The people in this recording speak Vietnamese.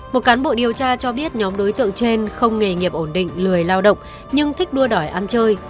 một cán bộ điều tra cho biết nhóm đối tượng trên không nghề nghiệp ổn định lười lao động nhưng thích đua đòi ăn chơi